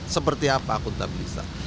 seperti apa akuntabilitas